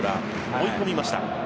追い込みました。